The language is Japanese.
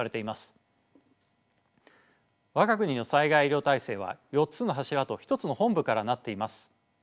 我が国の災害医療体制は４つの柱と一つの本部からなっています。